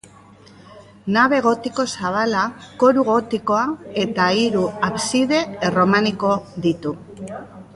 Nabe gotiko zabala, koru gotikoa eta hiru abside erromaniko ditu.